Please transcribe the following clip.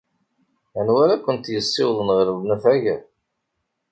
Anwa ara kent-yessiwḍen ɣer unafag?